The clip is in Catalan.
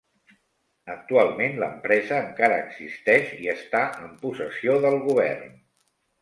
Actualment l'empresa encara existeix i està en possessió del govern.